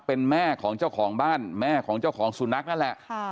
เป็นแม่ของเจ้าของบ้านแม่ของเจ้าของสุนัขนั่นแหละ